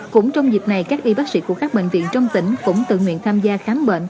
cũng trong dịp này các y bác sĩ của các bệnh viện trong tỉnh cũng tự nguyện tham gia khám bệnh